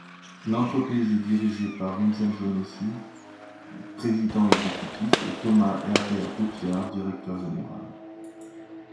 L'entreprise est dirigée par Vincenzo Nesci, président exécutif, et Thomas Herbert Gutjahr, directeur général.